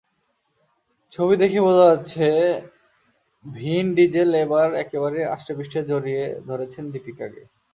ছবি দেখেই বোঝা যাচ্ছে ভিন ডিজেল এবার একেবারে আষ্টে-পৃষ্ঠে জড়িয়ে ধরেছেন দীপিকাকে।